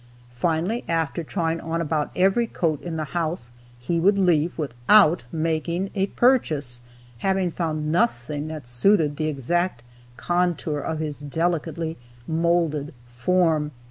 Finally, after trying on about every coat in the house, he would leave without making a purchase, having found nothing that suited the exact contour of his delicately moulded form.